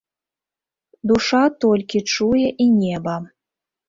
Душа толькі чуе і неба.